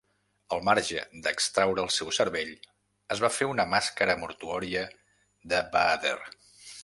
Al marge d'extraure el seu cervell, es va fer una màscara mortuòria de Baader.